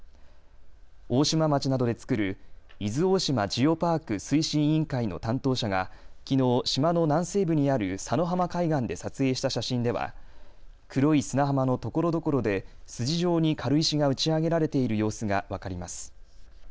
大島町などで作る伊豆大島ジオパーク推進委員会の担当者がきのう、島の南西部にある砂の浜海岸で撮影した写真では、黒い砂浜のところどころで筋状に軽石が打ち上げられている様子が分かります。